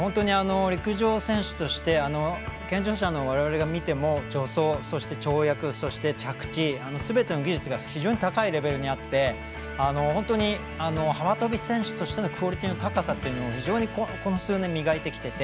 陸上選手として健常者の我々が見ても助走、そして跳躍、そして着地すべての技術が非常に高いレベルにあって本当に幅跳び選手のクオリティーの高さというのを非常にここ数年、磨いてきていて。